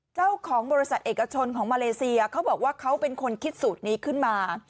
เจ้าของบริษัทเอกชนของมาเลเซียเขาบอกว่าเขาเป็นคนคิดสูตรนี้ขึ้นมา